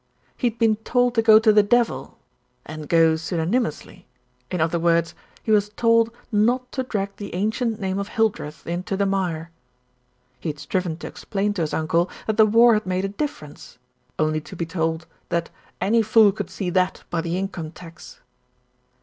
He had been told to go to the devil, and go pseudony mously, in other words he was told not to drag the ancient name of Hildreth into the mire. He had striven to explain to his uncle that the war had made a difference, only to be told that any fool could see that by the Income Tax.